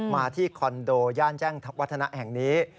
มาที่คอนโดย่านแจ้งวัฒนะแห่งนี้